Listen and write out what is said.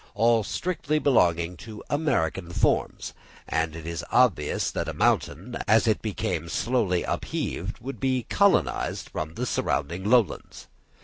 all strictly belonging to American forms; and it is obvious that a mountain, as it became slowly upheaved, would be colonised from the surrounding lowlands.